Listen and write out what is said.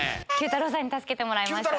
Ｑ太郎さんに助けてもらいました。